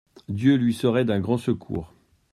Dieu lui serait d'un grand secours.